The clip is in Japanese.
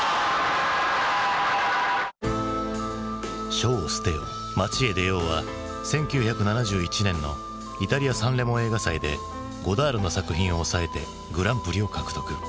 「書を捨てよ町へ出よう」は１９７１年のイタリアサンレモ映画祭でゴダールの作品をおさえてグランプリを獲得。